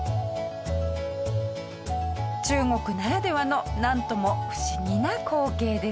中国ならではのなんとも不思議な光景ですね。